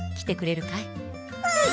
うん！